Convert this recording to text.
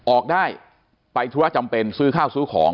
ออกได้ไปธุระจำเป็นซื้อข้าวซื้อของ